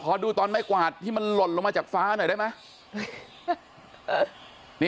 ดูตอนไม้กวาดที่มันหล่นลงมาจากฟ้าหน่อยได้ไหม